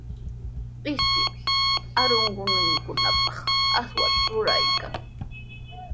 Ishtimi aruqninkunapaq aswata ruraykan.